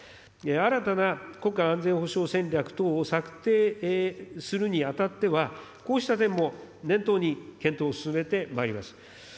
新たな国家安全保障戦略等を策定するにあたっては、こうした点も念頭に、検討を進めてまいります。